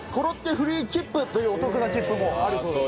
フリーきっぷ」というお得な切符もあるそうです。